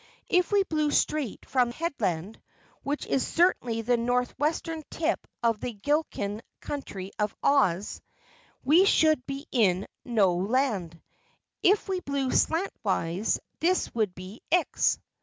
"If we blew straight from Headland, which is certainly the northwestern tip of the Gilliken Country of Oz, we should be in No Land. If we blew slantwise, this would be Ix."